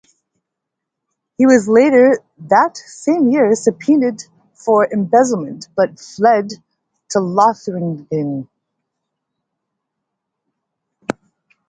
He was later that same year subpoenaed for embezzlement but fled to Lothringen.